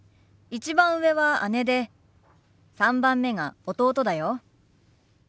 １番上は姉で３番目が弟だよ。